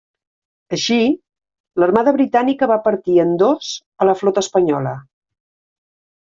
Així, l'armada britànica va partir en dos a la flota espanyola.